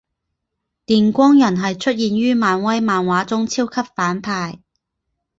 电光人是出现于漫威漫画中超级反派。